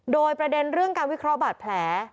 โดยประเด็นเรื่องการวิเคราะห์บาดแผล